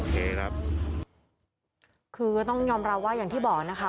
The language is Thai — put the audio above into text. ครับคือก็ต้องยอมรับว่าอย่างที่บอกนะคะ